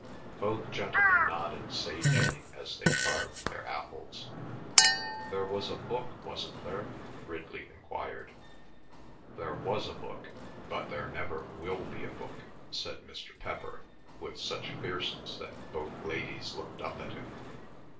Both gentlemen nodded sagely as they carved their apples. "There was a book, wasn't there?" Ridley enquired. "There was a book, but there never will be a book," said Mr. Pepper with such fierceness that both ladies looked up at him.